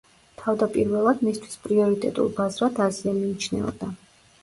თავდაპირველად, მისთვის პრიორიტეტულ ბაზრად აზია მიიჩნეოდა.